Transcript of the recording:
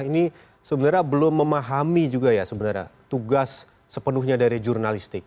ini sebenarnya belum memahami juga ya sebenarnya tugas sepenuhnya dari jurnalistik